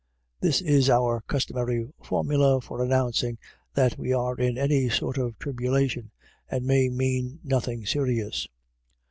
This is our customary formula for announcing that we are in any sort of tribulation, and may mean nothing serious.